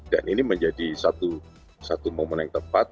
dan ini menjadi satu momen yang tepat